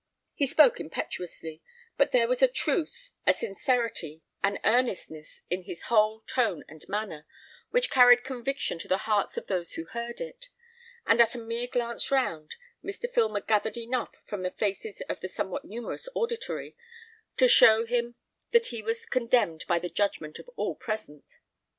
He spoke impetuously; but there was a truth, a sincerity, an earnestness in his whole tone and manner, which carried conviction to the hearts of those who heard it; and at a mere glance round, Mr. Filmer gathered enough, from the faces of the somewhat numerous auditory, to show him that he was condemned by the judgment of all present.